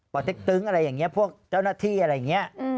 ป่าวเท็กตึ๊งอะไรอย่างเงี้ยพวกเจ้าหน้าที่อะไรอย่างเงี้ย